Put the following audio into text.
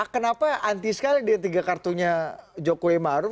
kenapa anti sekali dia tiga kartunya jokowi maruf